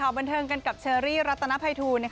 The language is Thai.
ข่าวบรรเทิงกันกับเชอรี่รัฐนาปัยทูนะ